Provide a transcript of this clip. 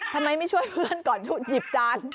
ทำไมไม่ช่วยเพื่อนก่อนถูกหยิบจาน